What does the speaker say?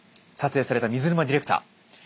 撮影された水沼ディレクター。